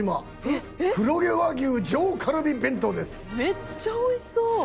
「めっちゃおいしそう！」